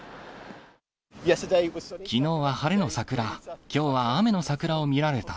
きのうは晴れの桜、きょうは雨の桜を見られた。